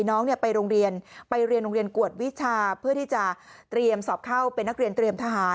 น้องไปโรงเรียนกวดวิชาเพื่อที่จะเตรียมสอบเข้าเป็นนักเรียนเตรียมทหาร